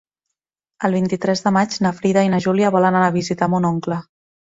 El vint-i-tres de maig na Frida i na Júlia volen anar a visitar mon oncle.